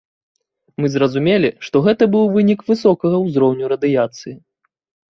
Мы зразумелі, што гэта быў вынік высокага ўзроўню радыяцыі.